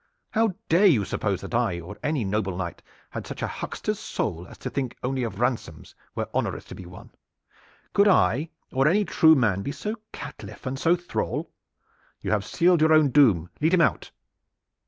How dare you suppose that I or any noble knight had such a huckster's soul as to think only of ransoms where honor is to be won? Could I or any true man be so caitiff and so thrall? You have sealed your own doom. Lead him out!"